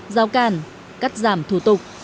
giao cản cắt giảm thủ tục